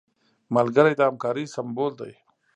ملګری د همکارۍ سمبول دی